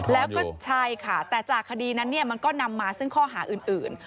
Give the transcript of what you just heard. แล้วก็ใช่ค่ะแต่จากคดีนั้นมันก็นำมาซึ่งข้อหาอื่น